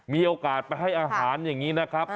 มีโอกาสไปให้อาหารอย่างนี้นะครับ